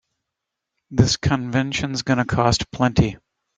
This convention's gonna cost plenty.